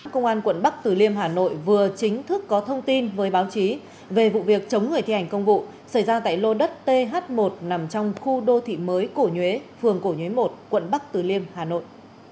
công an quận bắc từ liêm hà nội vừa chính thức có thông tin với báo chí về vụ việc chống người thi hành công vụ xảy ra tại lô đất th một nằm trong khu đô thị mới cổ nhuế phường cổ nhuế một quận bắc từ liêm hà nội